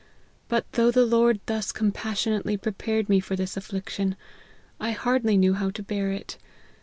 But though the Lord thus compassionately prepared me for this affliction, I hardly knew how to bear it.